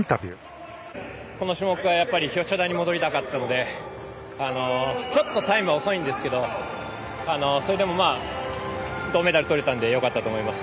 この種目は、やっぱり表彰台に乗りたかったのでちょっとタイムは遅いんですけどそれでも銅メダル取れたのでよかったと思います。